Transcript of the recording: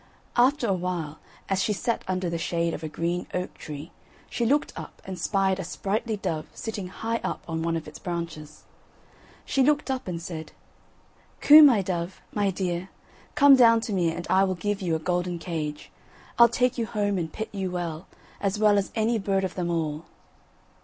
After a while as she sat under the shade of a green oak tree she looked up and spied a sprightly dove sitting high up on one of its branches. She looked up and said: "Coo my dove, my dear, come down to me and I will give you a golden cage. I'll take you home and pet you well, as well as any bird of them all."